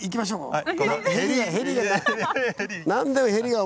はい。